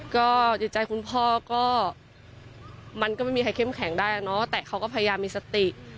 ก็จิตใจคุณพ่อก็มันก็ไม่มีใครเข้มแข็งได้เนอะแต่เขาก็พยายามมีสติ